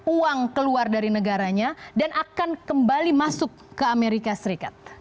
uang keluar dari negaranya dan akan kembali masuk ke amerika serikat